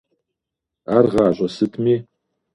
Ар гъащӀэ сытми?